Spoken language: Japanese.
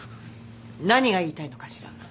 何が言いたいのかしら。